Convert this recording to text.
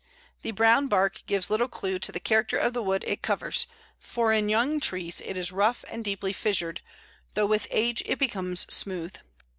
The brown bark gives little clue to the character of the wood it covers, for in young trees it is rough and deeply fissured, though with age it becomes smooth.